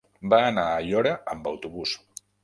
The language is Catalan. Va anar a Aiora amb autobús.